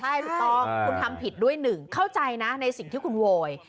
ใช่ถูกต้องคุณทำผิดด้วยหนึ่งเข้าใจนะในสิ่งที่คุณโวย